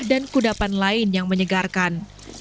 dan kudapan lain yang menyegarkan